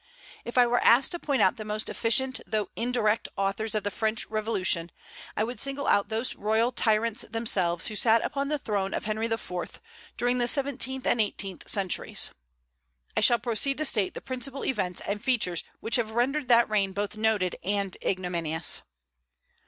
If I were asked to point out the most efficient though indirect authors of the French Revolution, I would single out those royal tyrants themselves who sat upon the throne of Henry IV. during the seventeenth and eighteenth centuries. I shall proceed to state the principal events and features which have rendered that reign both noted and ignominious.